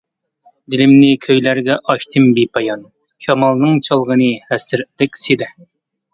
دىلىمنى كۈيلەرگە ئاچتىم بىپايان، شامالنىڭ چالغىنى ھەسرەتلىك سېدە.